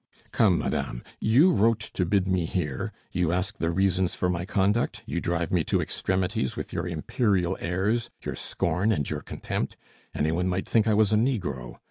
"Come, madame; you wrote to bid me here, you ask the reasons for my conduct, you drive me to extremities with your imperial airs, your scorn, and your contempt! Any one might think I was a Negro.